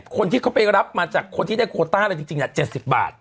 คนที่เขาไปรับมาจากคนที่ได้โคต้าอะไรจริง๗๐บาท